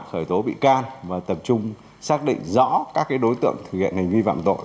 khởi tố bị can và tập trung xác định rõ các đối tượng thực hiện hành vi phạm tội